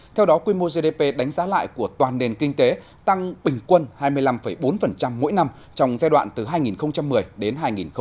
theo đó quy mô gdp đánh giá lại của toàn nền kinh tế tăng bình quân hai mươi năm bốn mỗi năm trong giai đoạn từ hai nghìn một mươi đến hai nghìn một mươi năm